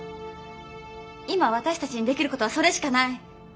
今私たちにできることはそれしかない。